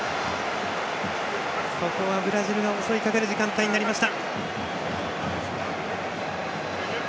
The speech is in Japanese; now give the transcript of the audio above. ブラジルが襲いかかる時間帯になりました。